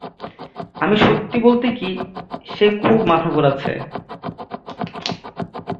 আর সত্যি বলতে কী, সে খুব মাথা ঘুরাচ্ছে।